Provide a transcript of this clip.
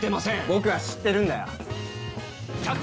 僕は知ってるんだよ。